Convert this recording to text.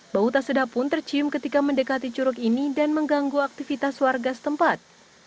bau tak sedap pun tercium ketika mendekati curug ini dan mengganggu aktivitas warga setempat